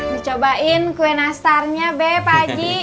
dicobain kue nastarnya beb aji